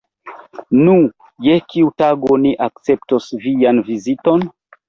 Nu, je kiu tago ni akceptos vian viziton?